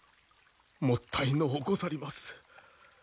もったいのうござります。